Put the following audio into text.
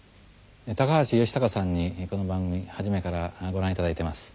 高橋義孝さんにこの番組初めからご覧頂いてます。